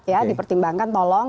ya dipertimbangkan tolong